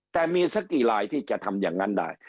แต่มีสักกี่ลายที่จะทำอย่างนั้นได้